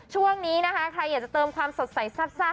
ช่วงนี้นะคะใครอยากจะเติมความสดใสซาบ